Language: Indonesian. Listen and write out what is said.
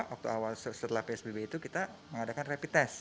waktu awal setelah psbb itu kita mengadakan rapid test